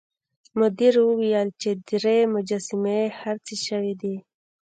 مدیر وویل چې درې مجسمې خرڅې شوې دي.